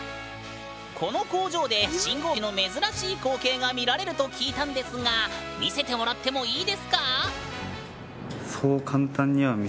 この工場で信号機の珍しい光景が見られると聞いたんですが見せてもらってもいいですか？